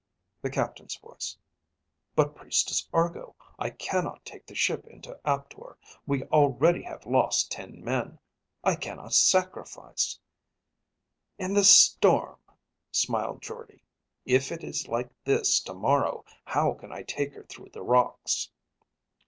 "_ _The captain's voice: "But Priestess Argo, I cannot take the ship into Aptor. We already have lost ten men; I cannot sacrifice ..."_ _"And the storm," smiled Jordde. "If it is like this tomorrow, how can I take her through the rocks?"